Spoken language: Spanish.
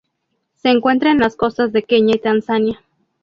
Se encuentra en las costas de Kenia y Tanzania.